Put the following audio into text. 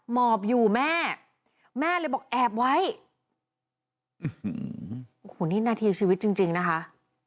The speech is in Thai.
หมอบอยู่แม่แม่เลยบอกแอบไว้โอ้โหนี่นาทีชีวิตจริงจริงนะคะ